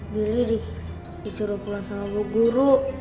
billy disuruh pulang sama guru